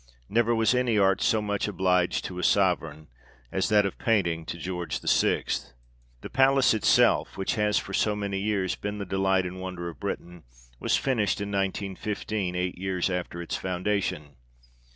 Never was any art so much obliged to a Sovereign, as that of painting to George VI. The Palace itself, which has for so many years been DECORATIONS OF THE PALACE. 41 the delight and wonder of Britain, was finished in 1915, eight years after its foundation.